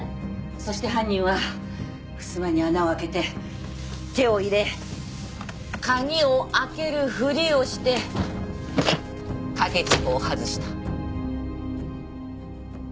そして犯人はふすまに穴を開けて手を入れ鍵を開けるふりをして掛け軸を外した。